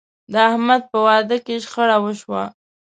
د احمد په واده کې شخړه وشوه.